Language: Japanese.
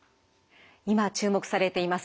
今注目されています